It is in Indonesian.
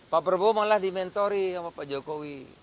pak berobowo malah di mentori sama pak jokowi